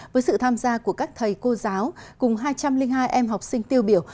với sự tham gia của các thầy cô giáo cùng hai trăm linh hai em học sinh tiêu biểu